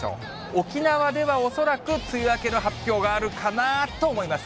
沖縄では恐らく梅雨明けの発表があるかなと思います。